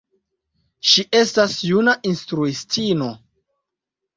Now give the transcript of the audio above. Ŝi estas juna instruistino.